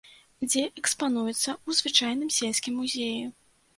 Дзе экспануюцца ў звычайным сельскім музеі.